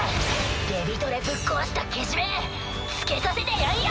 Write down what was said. デミトレぶっ壊したけじめつけさせてやんよ！